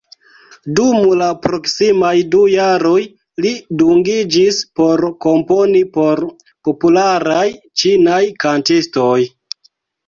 Dum la proksimaj du jaroj, li dungiĝis por komponi por popularaj ĉinaj kantistoj.